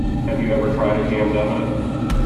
Have you ever tried a Jam Donut?